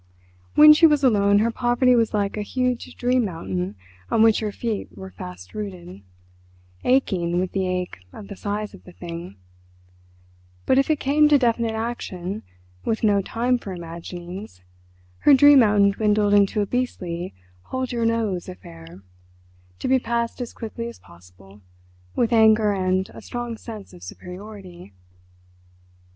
When she was alone her poverty was like a huge dream mountain on which her feet were fast rooted—aching with the ache of the size of the thing—but if it came to definite action, with no time for imaginings, her dream mountain dwindled into a beastly "hold your nose" affair, to be passed as quickly as possible, with anger and a strong sense of superiority.